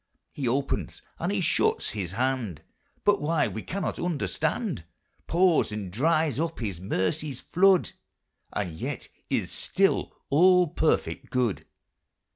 He opens and he shuts his hand, But why we cannot understand: Pours and dries up his mercies' flood, And yet is still All perfect Good.